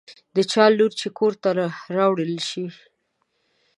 د چا لور چې کور ته راوړل شي.